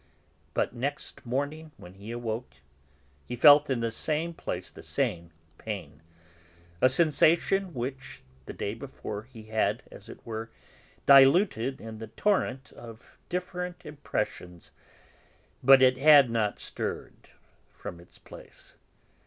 But next morning, when he awoke, he felt in the same place the same pain, a sensation which, the day before, he had, as it were, diluted in the torrent of different impressions. But it had not stirred from its place.